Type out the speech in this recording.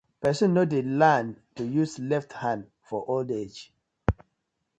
Person no dey learn to use left hand for old age: